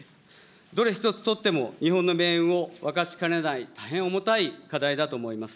どれ一つ取っても日本の命運を分かちかねない大変重たい課題だと思います。